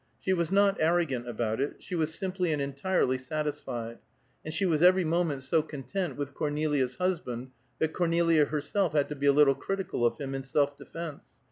She was not arrogant about it; she was simply and entirely satisfied; and she was every moment so content with Cornelia's husband that Cornelia herself had to be a little critical of him in self defence.